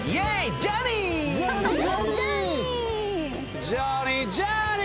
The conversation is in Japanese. ジャーニー。